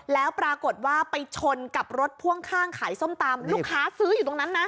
แล้วปรากฏว่าไปชนกับรถพ่วงข้างขายส้มตำลูกค้าซื้ออยู่ตรงนั้นนะ